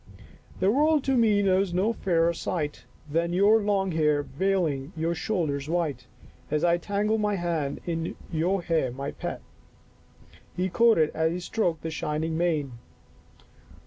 The world to me knows no fairer sight Than your long hair veiling your shoulders white, As I tangle my hand in your hair my pet.' " he quoted as he stroked the shining mane.